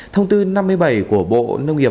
thông tư năm mươi bảy của bộ nông nghiệp